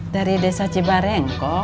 dari desa cibarengkok